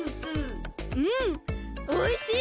うんおいしい！